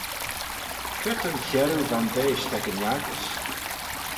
Cre ta'n chiarroo vondeish t'ec yn agglish?